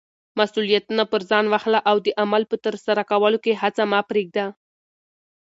مسولیتونه پر ځان واخله او د عمل په ترسره کولو کې هڅه مه پریږده.